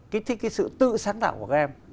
kích thích sự tự sáng tạo của các em